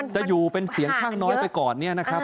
จะอยู่เป็นเสียงข้างน้อยไปก่อนเนี่ยนะครับ